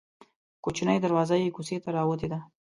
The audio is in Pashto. کوچنۍ دروازه یې کوڅې ته راوتې ده.